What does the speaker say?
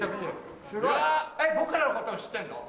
僕らのことを知ってんの？